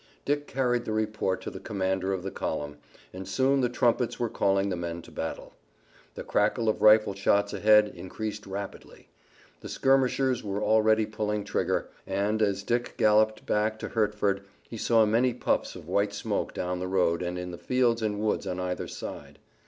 Dick carried the report to the commander of the column, and soon the trumpets were calling the men to battle. The crackle of rifle shots ahead increased rapidly. The skirmishers were already pulling trigger, and, as Dick galloped back to Hertford he saw many puffs of white smoke down the road and in the fields and woods on either side.